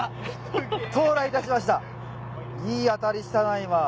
いい当たりしたな今。